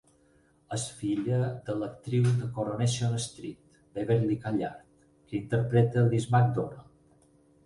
És filla de l'actriu de "Coronation Street", Beverley Callard, que interpreta Liz McDonald.